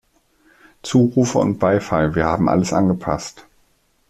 Zurufe und Beifall Wir haben alles angepasst.